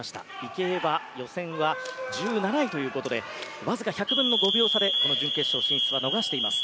池江は予選は１７位ということでわずか１００分の５秒差でこの準決勝進出は逃しています。